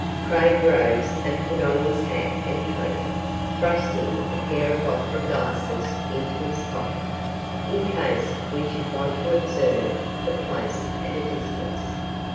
Craig rose and put on his hat and coat, thrusting a pair of opera glasses into his pocket, in case we should want to observe the place at a distance.